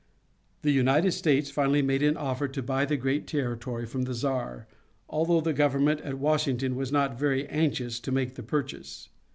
The United States finally made an offer to buy the great territory from the Czar, although the government at Washington was not very anxious to make the purchase.